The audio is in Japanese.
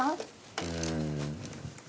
うん。